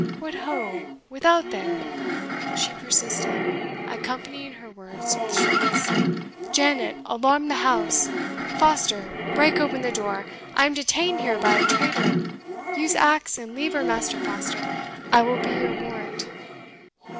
"What ho! without there!" she persisted, accompanying her words with shrieks, "Janet, alarm the house! Foster, break open the door I am detained here by a traitor! Use axe and lever, Master Foster I will be your warrant!"